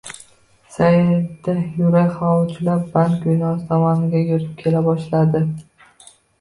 Saida yurak xovuchlab bank binosi tomonga yurib kela boshladi